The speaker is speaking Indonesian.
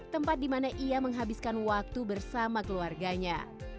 tempat di mana ia menghabiskan waktu bersama keluarganya